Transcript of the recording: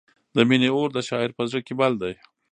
د مینې اور د شاعر په زړه کې بل دی.